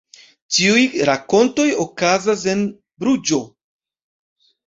Ĉiuj rakontoj okazas en Bruĝo.